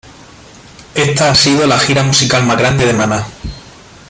Esta ha sido la gira musical más grande de Maná.